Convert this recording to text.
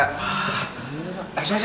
masuk masuk masuk